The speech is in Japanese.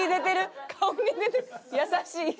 優しい人。